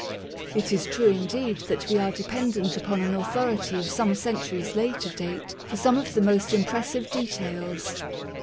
It is true indeed that we are dependent upon an authority of some centuries' later date for some of the most impressive details.